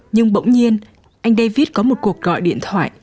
nhưng bỗng nhiên anh david có một cuộc gọi điện thoại